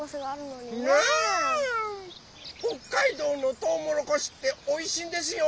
北海道のとうもろこしっておいしいんですよ！